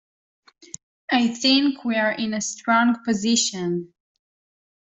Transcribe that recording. I think we’re in a strong position